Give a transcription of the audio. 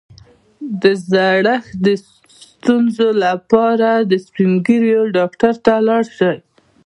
د زړښت د ستونزو لپاره د سپین ږیرو ډاکټر ته لاړ شئ